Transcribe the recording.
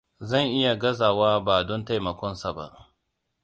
Zan iya gazawa ba don taimakonsa ba.